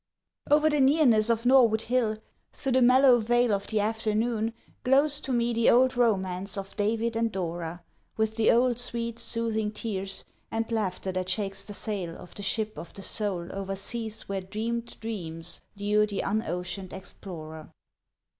Over the nearness of Norwood Hill, through the mellow veil Of the afternoon glows to me the old romance of David and Dora, With the old, sweet, soothing tears, and laughter that shakes the sail Of the ship of the soul over seas where dreamed dreams lure the unoceaned explorer.